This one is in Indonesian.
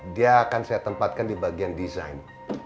dia akan saya tempatkan di bagian desain